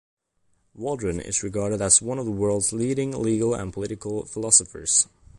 Waldron is regarded as one of the world's leading legal and political philosophers.